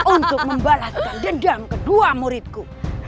untuk membalaskan dendam kedua muridku